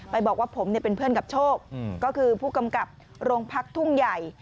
บอกว่าผมเป็นเพื่อนกับโชคก็คือผู้กำกับโรงพักทุ่งใหญ่